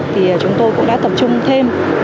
thì chúng tôi cũng đã tập trung thêm